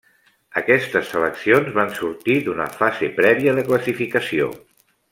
Aquestes seleccions van sortir d'una fase prèvia de classificació.